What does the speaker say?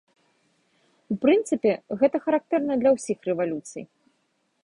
У прынцыпе, гэта характэрна для ўсіх рэвалюцый.